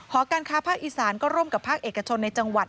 หการค้าภาคอีสานก็ร่วมกับภาคเอกชนในจังหวัด